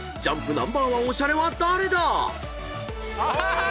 ナンバーワンおしゃれは誰だ⁉］